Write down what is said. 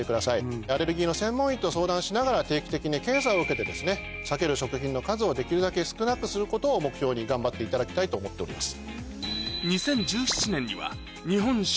アレルギーの専門医と相談しながら定期的に検査を受けて避ける食品の数をできるだけ少なくすることを目標に頑張っていただきたいと思っております。